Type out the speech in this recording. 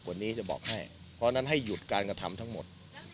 วันนี้จะบอกให้เพราะฉะนั้นให้หยุดการกระทำทั้งหมด